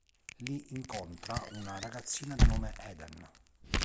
Lì incontra una ragazzina di nome Eden.